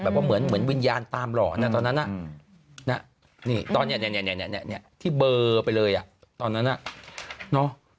ว่าเหมือนวิญญาณตามหล่อนะตอนนั้นเนี่ยที่เบอร์ไปเลยอ่ะตอนนั้นน่ะเนอะ